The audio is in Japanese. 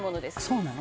「そうなの？」